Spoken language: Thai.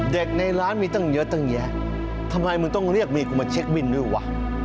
ในร้านมีตั้งเยอะตั้งแยะทำไมมึงต้องเรียกเมียกูมาเช็คบินด้วยวะ